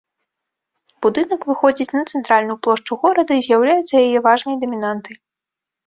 Будынак выходзіць на цэнтральную плошчу горада і з'яўляецца яе важнай дамінантай.